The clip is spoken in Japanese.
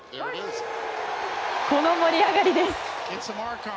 この盛り上がりです。